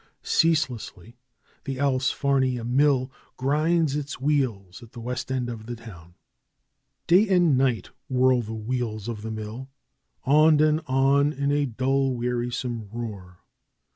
Ceaselessly the Allsfarnia mill grinds its wheels at the west end of the town. Day and night whirl the wheels of the mill; on and on in a dull wearisome roar.